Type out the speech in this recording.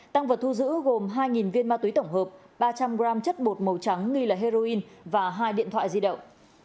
tăng vật thu giữ gồm hai viên ma túy tổng hợp ba trăm linh g chất bột màu trắng nghi là heroin và hai điện thoại di động